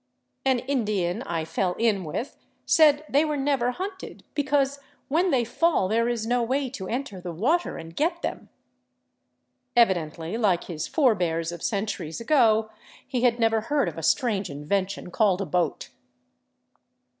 An Indian I fell in with said they were never hunted, " because when they fall there is no way to enter the water and get them." Evidently, like his forebears of centuries ago, he had never heard of a strange invention called a boat.